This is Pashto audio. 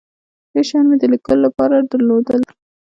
ډیر شیان مې د لیکلو له پاره درلودل.